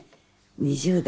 ２０代。